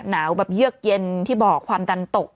หนาวแบบเยือกเย็นที่บอกความดันตก